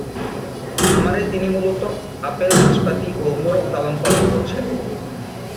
খামারে তিনি মূলতঃ আপেল, নাশপাতি ও মোরগ লালন-পালন করছেন।